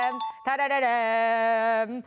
มาเล้วครับ